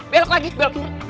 belok lagi belok